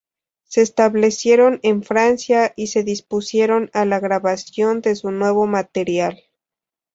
Se establecieron en Francia y se dispusieron a la grabación de su nuevo material.